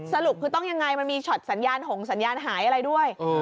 สรุปคือต้องยังไงมันมีช็อตสัญญาณหงสัญญาณหายอะไรด้วย